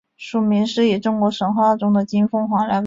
属名是以中国神话中的金凤凰来命名。